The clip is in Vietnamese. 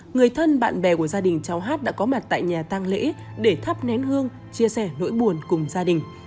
người thân bạn bè của gia đình cháu hát đã có mặt tại nhà tăng lễ để thắp nén hương chia sẻ nỗi buồn cùng gia đình